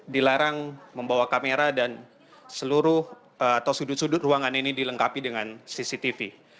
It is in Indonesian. dilarang membawa kamera dan seluruh atau sudut sudut ruangan ini dilengkapi dengan cctv